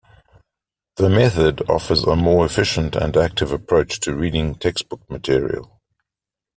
The method offers a more efficient and active approach to reading textbook material.